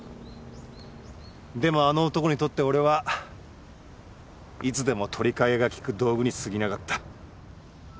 でもあの男にとって俺はいつでも取り替えがきく道具にすぎなかった。